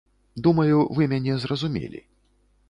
Думаю, вы мяне зразумелі.